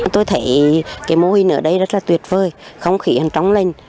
tôi thấy cái mô hình ở đây rất là tuyệt vời không khí trống lên